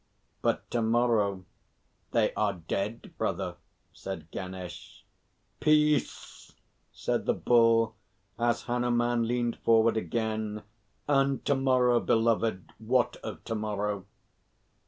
"But to morrow they are dead, brother," said Ganesh. "Peace!" said the Bull, as Hanuman leaned forward again. "And to morrow, beloved what of to morrow?"